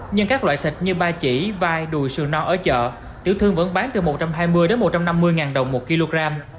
nhưng các loại thịt như ba chỉ vai đùi sườn non ở chợ tiểu thương vẫn bán từ một trăm hai mươi một trăm năm mươi đồng một kg